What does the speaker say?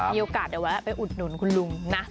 มีโอกาสเดี๋ยวแวะไปอุดหนุนคุณลุงนะ